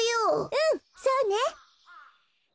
うんそうね！